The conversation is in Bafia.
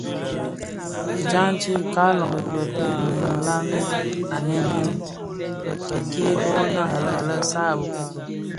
Djanti, Kaaloň dhi bëpeï bi nlanèn anèn bek-kè bō nariya lè saad a bokito.